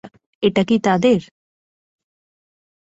এটা কি তাদের?